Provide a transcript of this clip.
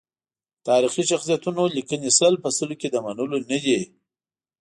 تاریخي شخصیتونو لیکنې سل په سل کې د منلو ندي.